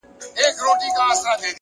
پوهه د وېرې کړۍ ماتوي،